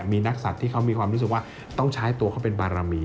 มีนักสัตว์ที่เขามีความรู้สึกว่าต้องใช้ตัวเขาเป็นบารมี